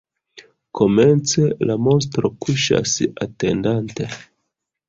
Komence, la monstro kuŝas atendante.